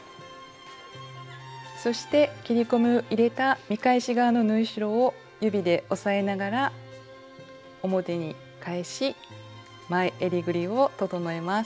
そして切り込みを入れた見返し側の縫い代を指で押さえながら表に返し前えりぐりを整えます。